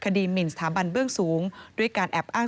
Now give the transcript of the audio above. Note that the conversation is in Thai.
หมินสถาบันเบื้องสูงด้วยการแอบอ้าง